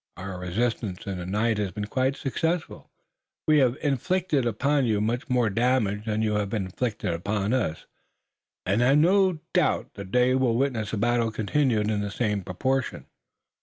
Our resistance in the night has been quite successful, we have inflicted upon you much more damage than you have inflicted upon us, and I've no doubt the day will witness a battle continued in the same proportion."